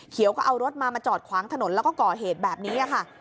ก็เอารถมามาจอดขวางถนนแล้วก็ก่อเหตุแบบนี้ค่ะ